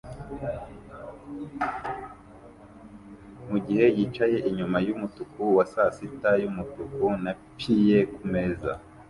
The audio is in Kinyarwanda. mugihe yicaye inyuma yumutuku wa sasita yumutuku na pie kumeza